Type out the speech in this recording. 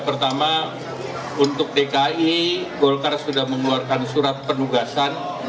pertama untuk dki golkar sudah mengeluarkan surat penugasan